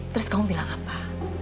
terus kamu bilang apa